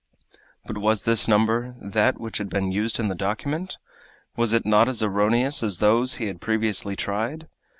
But was this number that which had been used in the document? Was it not as erroneous as those he had previously tried?